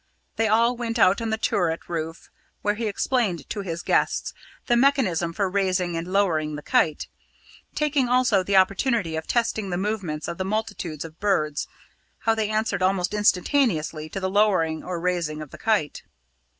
They all went out on the turret roof, where he explained to his guests the mechanism for raising and lowering the kite, taking also the opportunity of testing the movements of the multitudes of birds, how they answered almost instantaneously to the lowering or raising of the kite.